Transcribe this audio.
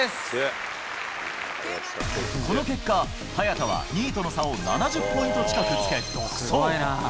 この結果、早田は、２位との差を７０ポイント近くつけ、独走。